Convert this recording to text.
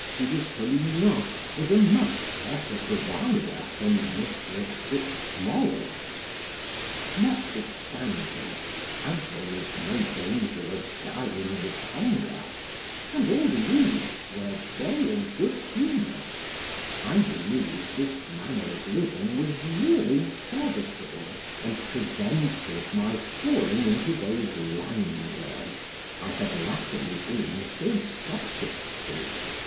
de Torignan was a much better provider than M. Fitz Morris; notwithstanding, as there was no danger of, dying with hunger, and all the youths were gay and good humored, I believe this manner of living was really serviceable, and prevented my falling into those languors I had latterly been so subject to.